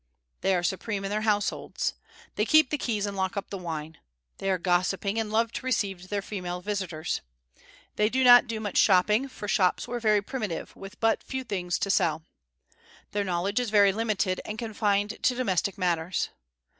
They are supreme in their households; they keep the keys and lock up the wine. They are gossiping, and love to receive their female visitors. They do not do much shopping, for shops were very primitive, with but few things to sell. Their knowledge is very limited, and confined to domestic matters.